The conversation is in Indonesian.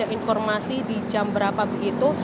informasi di jam berapa begitu